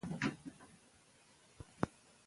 د ښځو کار کول د کورنۍ اقتصادي ثبات پیاوړی کوي.